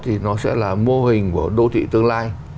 thì nó sẽ là mô hình của đô thị tương lai